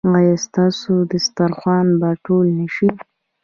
ایا ستاسو دسترخوان به ټول نه شي؟